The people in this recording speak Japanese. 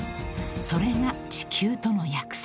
［それが地球との約束］